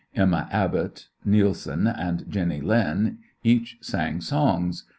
Emma Abbott, Nilsson, and Jenny Lind each sang songs.